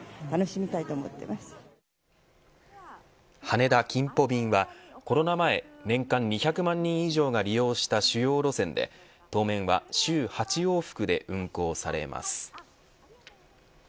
羽田、金浦便はコロナ前、年間２００万人以上が利用した主要路線で当面は週８往復で運航されます。